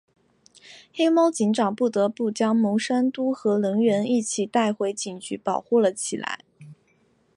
黑猫警长不得不将牟三嘟和能源一起带回警局保护了起来。